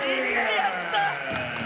やったー！